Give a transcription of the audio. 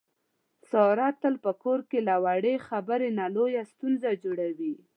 ساره تل په کور کې له وړې خبرې نه لویه ستونزه جوړي.